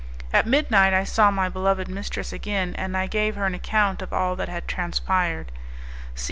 At midnight I saw my beloved mistress again, and I gave her an account of all that had transpired.